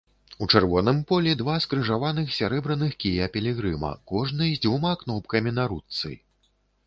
У чырвоным полі два скрыжаваных сярэбраных кія пілігрыма, кожны з дзвюма кнопкамі на ручцы.